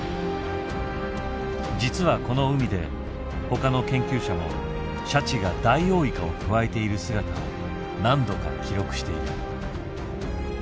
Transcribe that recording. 実はこの海でほかの研究者もシャチがダイオウイカをくわえている姿を何度か記録している。